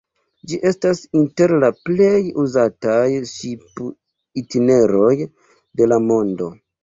Ĝi estas inter la plej uzataj ŝip-itineroj de la mondo.